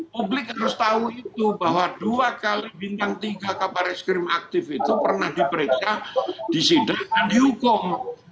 publik harus tahu itu bahwa dua kali bintang tiga kabar eskrim aktif itu pernah diperiksa disidangkan dihukum